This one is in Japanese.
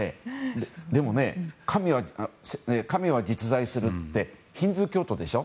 でも、神は実在するって彼はヒンドゥー教徒でしょ？